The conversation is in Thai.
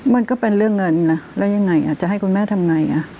มันก็เป็นเรื่องเงินนะแล้วยังไงจะให้คุณแม่ทำไง